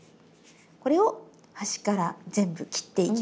これを端から全部切っていきます。